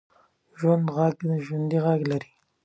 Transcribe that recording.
ژوندي غږ لري